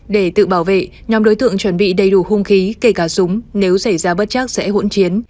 để tự bảo vệ nhóm đối tượng chuẩn bị đầy đủ hung khí kể cả súng nếu xảy ra bất chắc sẽ hỗn chiến